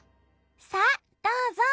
さあどうぞ！